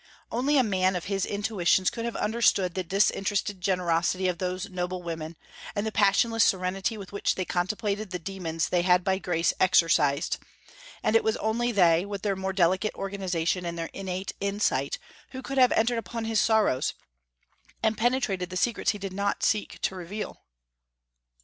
Only a man of his intuitions could have understood the disinterested generosity of those noble women, and the passionless serenity with which they contemplated the demons they had by grace exorcised; and it was only they, with their more delicate organization and their innate insight, who could have entered upon his sorrows, and penetrated the secrets he did not seek to reveal.